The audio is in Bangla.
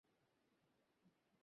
চলো এটা অফিসে নিয়ে যায়।